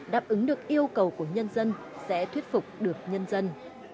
đáp ứng được yêu cầu của nhân dân sẽ thuyết phục được nhân dân